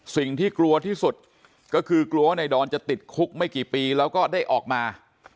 สิ่งที่กลัวที่สุดก็คือกลัวว่าในดอนจะติดคุกไม่กี่ปีแล้วก็ได้ออกมา